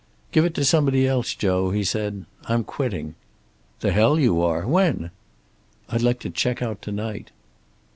"Give it to somebody else, Joe," he said. "I'm quitting." "The hell you are! When?" "I'd like to check out to night."